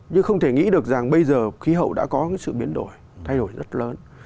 nhưng không thể nghĩ được rằng bây giờ khí hậu đã có cái sự biến đổi thay đổi rất lớn